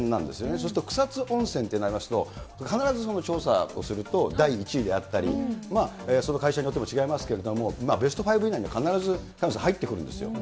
そして草津温泉ってなりますと、必ず調査をすると、第１位であったり、その会社によっても違いますけれども、ベスト５以内には萱野さん、入ってくるんですよ。